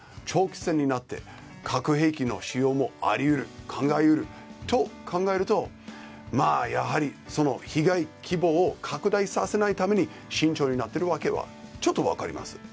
長期戦になって核兵器の使用も考え得ると考えるとやはり被害規模を拡大させないために慎重になっているわけはちょっと分かります。